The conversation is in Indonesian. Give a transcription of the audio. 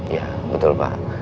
ya betul pak